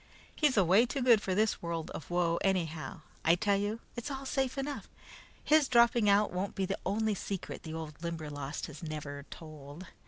He's away too good for this world of woe, anyhow. I tell you, it's all safe enough. His dropping out won't be the only secret the old Limberlost has never told.